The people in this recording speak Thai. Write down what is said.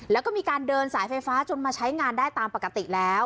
แล้วก็มีการเดินสายไฟฟ้าจนมาใช้งานได้ตามปกติแล้ว